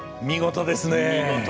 見事ですね。